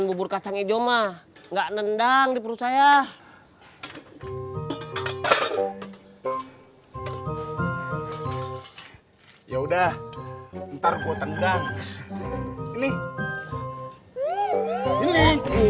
bubur kacang hijau mah enggak nendang di perut saya ya udah ntar kue tendang nih ini